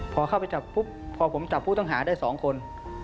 พอเข้าไปจับปุ๊บพอผมจับผู้ต้องหาได้๒คน